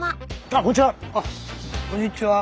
あっこんにちは！